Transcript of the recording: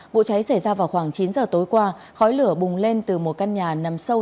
vụ cháy xảy ra vào khoảng chín giờ tối qua khói lửa bùng lên từ một căn nhà nằm sâu